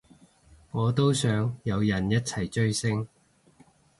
我都想有人一齊追星